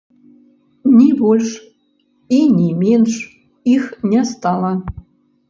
Ні больш і ні менш іх не стала.